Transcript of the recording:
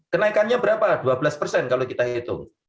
kenaikannya berapa dua belas persen kalau kita hitung